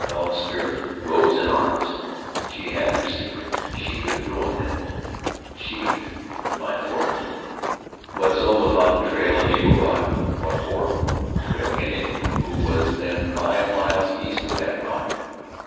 Helen's spirit rose in arms. She had their secret, and could ruin them. She would find the borderman. Wetzel was on the trail at Eagle Rock. What for? Trailing an Indian who was then five miles east of that rock?